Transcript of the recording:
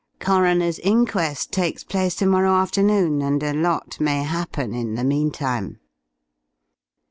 Coroner's inquest takes place to morrow afternoon, and a lot may happen in the meantime."